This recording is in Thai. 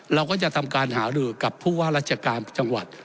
เราก็จะทำการหารือกับผู้ว่าราชการจังหวัด